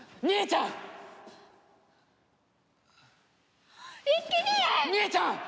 兄ちゃん！